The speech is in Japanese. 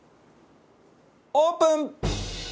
オープン！